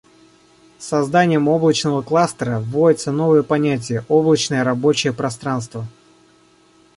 С созданием облачного кластера вводится новое понятие: «Облачное рабочее пространство»